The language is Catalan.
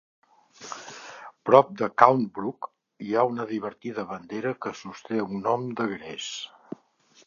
Prop de Cound Brook, hi ha una divertida bandera que sosté un gnom de gres.